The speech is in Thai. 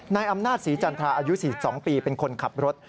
นายอำนาจศรีจันทราอายุ๔๒ปีเป็นคนขับรถ